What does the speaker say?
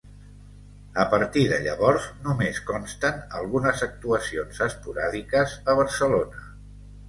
A partir de llavors, només consten algunes actuacions esporàdiques a Barcelona.